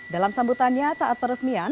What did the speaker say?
dalam sambutannya saat peresmian